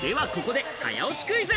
ではここで早押しクイズ。